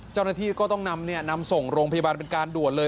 เจ้าหน้าที่ก็ต้องนำส่งโรงพยาบาลเป็นการด่วนเลย